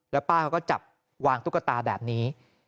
แล้วป้าเขาก็จับวางตุ๊กตาแบบนี้